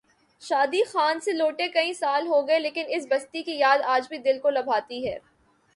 شادی خان سے لوٹے کئی سال ہو گئے لیکن اس بستی کی یاد آج بھی دل کو لبھاتی ہے۔